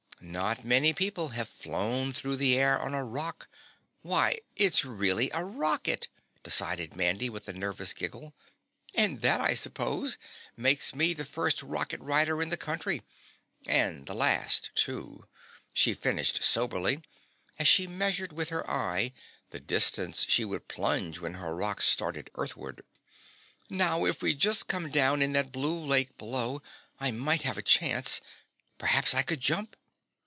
Not many people have flown through the air on a rock why it's really a rocket!" decided Mandy, with a nervous giggle. "And that, I suppose, makes me the first rocket rider in the country, and the LAST, too," she finished soberly as she measured with her eye the distance she would plunge when her rock started earthward. "Now if we'd just come down in that blue lake, below, I might have a chance. Perhaps I should jump?"